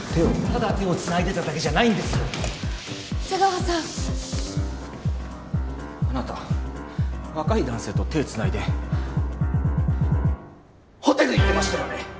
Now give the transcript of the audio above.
ただ手をつないでただけじゃないんです瀬川さんあなた若い男性と手つないでホテル行ってましたよね？